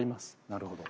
なるほど。